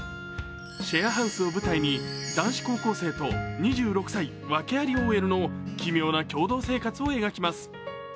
シェアハウスを舞台に男子高校生と２６歳訳ありＯＬの奇妙な共同生活を送ります。